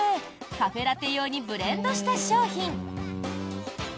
カフェラテ用にブレンドした商品。